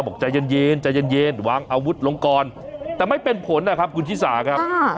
บอกใจเย็นใจเย็นวางอาวุธลงก่อนแต่ไม่เป็นผลนะครับคุณชิสาครับ